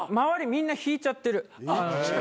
みんな引いちゃってる。